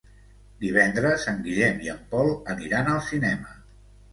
Divendres en Guillem i en Pol aniran al cinema.